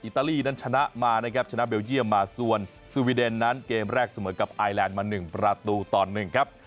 ตาลีนั้นชนะมานะครับชนะเบลเยี่ยมมาส่วนสวีเดนนั้นเกมแรกเสมอกับไอแลนด์มา๑ประตูต่อ๑ครับ